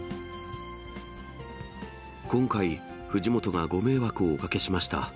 今回、藤本がご迷惑をおかけしました。